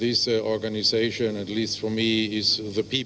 dan juga untuk mengajukan diri sebagai kandidat tuan rumah olimpiade pada tahun ini